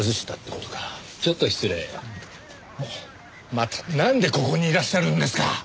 またなんでここにいらっしゃるんですか？